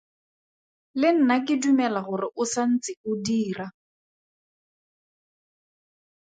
Le nna ke dumela gore o sa ntse o dira.